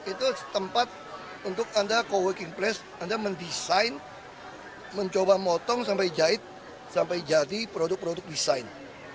itu tempat untuk anda co working place anda mendesain mencoba motong sampai jahit sampai jadi produk produk desain